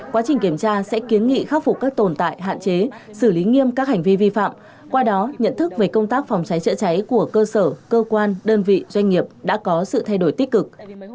quá trình kiểm tra sẽ kiến nghị khắc phục các tồn tại hạn chế xử lý nghiêm các hành vi vi phạm qua đó nhận thức về công tác phòng cháy chữa cháy của cơ sở cơ quan đơn vị doanh nghiệp đã có sự thay đổi tích cực